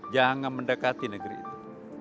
jangan mendekati negeri itu